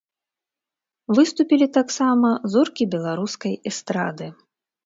Выступілі таксама зоркі беларускай эстрады.